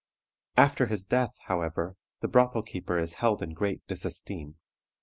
After his death, however, the brothel keeper is held in great disesteem.